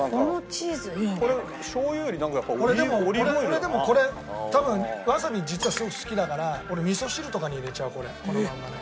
俺でもこれ多分わさび実はすごく好きだから俺みそ汁とかに入れちゃうこれこのままね。